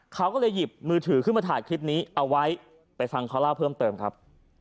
เขาก็เลยหยิบมือถือขึ้นมาถ่ายคลิปนี้เอาไว้ไปฟังเขาเล่าเพิ่มเติมครับ